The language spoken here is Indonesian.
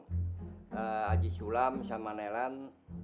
haji sulam sama nelan